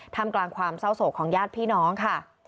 ทำกลางความเศร้าโศกของญาติพี่น้องค่ะ